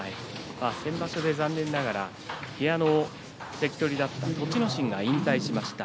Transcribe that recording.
先場所、残念ながら部屋の関取だった栃ノ心が引退しました。